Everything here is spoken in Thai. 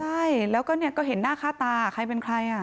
ใช่แล้วก็เนี่ยก็เห็นหน้าค้าตาใครเป็นใครอ่ะ